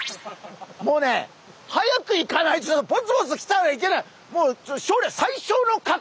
もうね早く行かないとポツポツ来ちゃいけない。